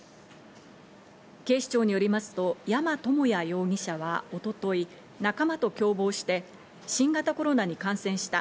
警視庁によりますと、山智也容疑者は一昨日、仲間と共謀して新型コロナに感染した。